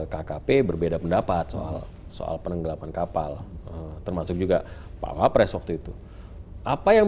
kkp berbeda pendapat soal soal penenggelapan kapal termasuk juga pak wapres waktu itu apa yang